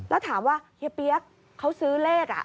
แล้วถามว่าเฮียเปี๊ยกเขาซื้อเลข